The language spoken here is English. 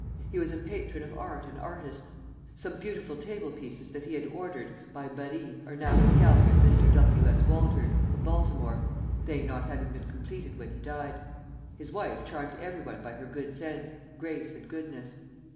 He was a patron of art and artists. Some beautiful table pieces that he had ordered, by Barye, are now in the gallery of Mr. W. S. Walters, of Baltimore, they not having been completed when he died. His wife charmed every one by her good sense, grace, and goodness.